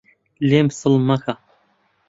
لێم سڵ مەکە